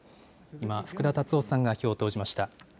今、福田達夫さんが票を投じました。